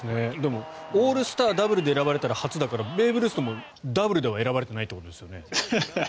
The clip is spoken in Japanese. オールスターダブルで選ばれたら初だからベーブ・ルースでもダブルでは選ばれていないですよね。